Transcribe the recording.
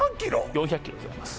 ４００ｋｇございます